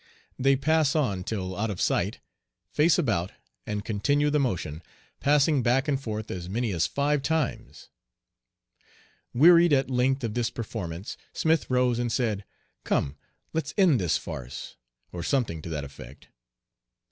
They pass on till out of sight, face about and "continue the motion," passing back and forth as many as five times. Wearied at length of this performance, Smith rose and said, "Come, let's end this farce," or something to that effect.